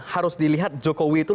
harus dilihat jokowi itu